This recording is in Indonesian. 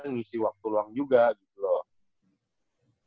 ngisi waktu luang juga gitu loh